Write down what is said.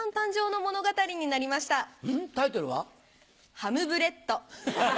「ハムブレット」。